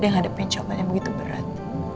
dia menghadapi cobaan yang begitu berat